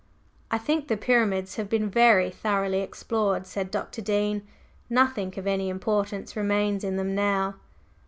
"I think the Pyramids have been very thoroughly explored," said Dr. Dean. "Nothing of any importance remains in them now."